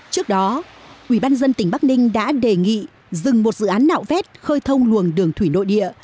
trước đó ubnd tỉnh bắc ninh đã đề nghị dừng một dự án nạo vét khơi thông luồng đường thủy nội địa